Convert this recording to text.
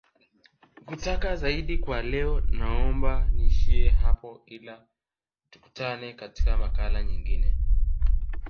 kutaka zaidi kwa leo naomba niishie hapo ila tukutane katika makala nyingine